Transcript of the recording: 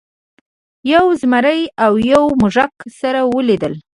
یو زمري او یو موږک سره ولیدل.